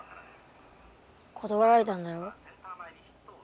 断られたんだろ？